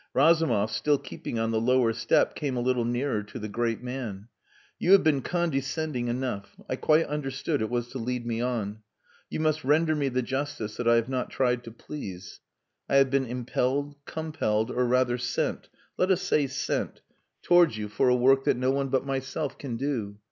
Razumov, still keeping on the lower step, came a little nearer to the great man. "You have been condescending enough. I quite understood it was to lead me on. You must render me the justice that I have not tried to please. I have been impelled, compelled, or rather sent let us say sent towards you for a work that no one but myself can do.